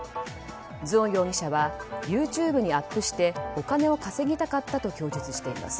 ズオン容疑者はＹｏｕＴｕｂｅにアップしてお金を稼ぎたかったと供述しています。